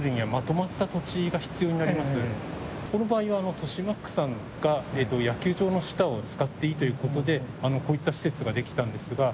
この場合は豊島区さんが野球場の下を使っていいということでこういった施設ができたんですが。